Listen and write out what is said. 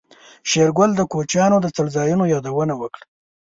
شېرګل د کوچيانو د څړځايونو يادونه وکړه.